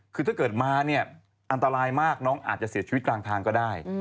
คือถ้าเกิดมาเนี่ยอันตรายมากน้องอาจจะเสียชีวิตกลางทางก็ได้